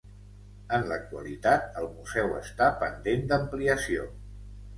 En l'actualitat el museu està pendent d'ampliació.